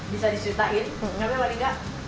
bisa diceritain tapi malah